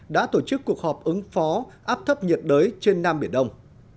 đã tổ chức cuộc họp ứng phó áp thấp nhiệt đới trên nam biển đông